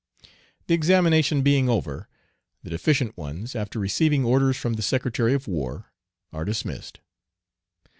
The examination being over, the deficient ones, after receiving orders from the Secretary of War, are dismissed.